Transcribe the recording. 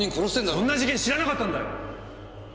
そんな事件知らなかったんだよ！